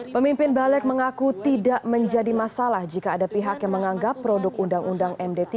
pemimpin balik mengaku tidak menjadi masalah jika ada pihak yang menganggap produk undang undang md tiga